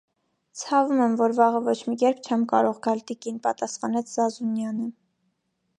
- Ցավում եմ, որ վաղը ոչ մի կերպ չեմ կարող գալ, տիկին,- պատասխանեց Զազունյանը: